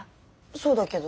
そうだけど。